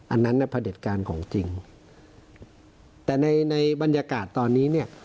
อันนั้นน่ะพระเด็จการของจริงแต่ในในบรรยากาศตอนนี้เนี่ย